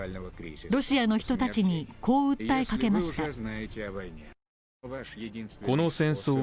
ロシアの人たちに、こう訴えかけました。